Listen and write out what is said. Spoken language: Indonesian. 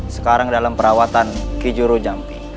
sekarang dalam perawatan kijuro jampi